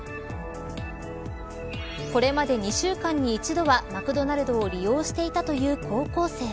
これまで２週間に１度はマクドナルドを利用していたという高校生は。